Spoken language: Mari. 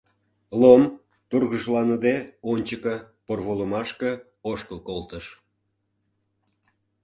Лом, тургыжланыде, ончыко, порволымашке, ошкыл колтыш...